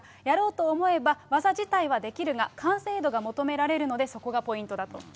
やろうと思えば、技自体はできるが、完成度が求められるので、そこがポイントだと。